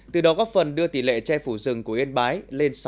từ đó góp phần đưa tỷ lệ che phủ rừng của yên bái lên sáu mươi